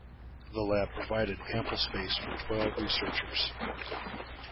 The lab provided ample space for twelve researchers.